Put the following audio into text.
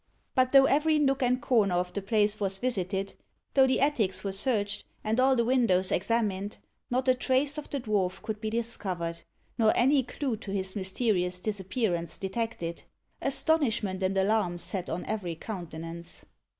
But though every nook and corner of the place was visited though the attics were searched, and all the windows examined not a trace of the dwarf could be discovered, nor any clue to his mysterious disappearance detected. Astonishment and alarm sat on every countenance.